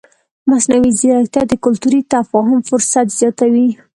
مصنوعي ځیرکتیا د کلتوري تفاهم فرصت زیاتوي.